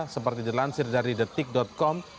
seperti dilansir dari detik com